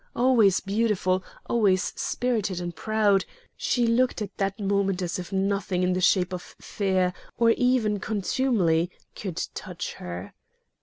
Always beautiful, always spirited and proud, she looked at that moment as if nothing in the shape of fear, or even contumely, could touch her.